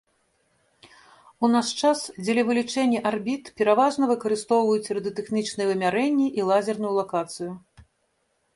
У наш час дзеля вылічэння арбіт пераважна выкарыстоўваюцца радыётэхнічныя вымярэнні і лазерную лакацыю.